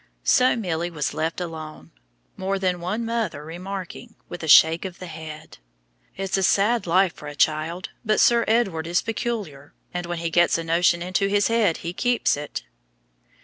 So Milly was left alone, more than one mother remarking with a shake of the head "It's a sad life for a child, but Sir Edward is peculiar, and when he gets a notion into his head he keeps to it."